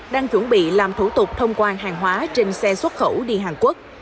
đang chuẩn bị làm thủ tục thông quan hàng hóa trên xe xuất khẩu đi hàn quốc